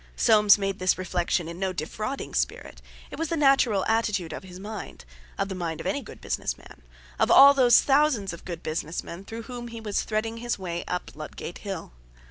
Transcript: Soames made this reflection in no defrauding spirit; it was the natural attitude of his mind—of the mind of any good business man—of all those thousands of good business men through whom he was threading his way up Ludgate Hill.